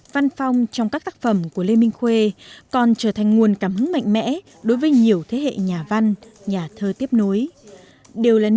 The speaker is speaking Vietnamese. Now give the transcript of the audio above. và dòng vong rất hồn hậu và nó như một cái bài ca